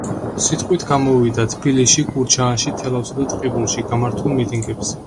სიტყვით გამოვიდა თბილისში, გურჯაანში, თელავსა და ტყიბულში გამართულ მიტინგებზე.